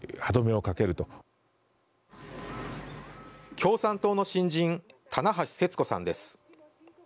共産党の新人、店橋世津子さんです。